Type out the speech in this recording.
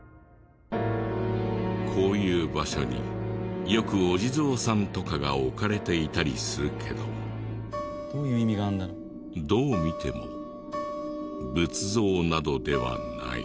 こういう場所によくお地蔵さんとかが置かれていたりするけどどう見ても仏像などではない。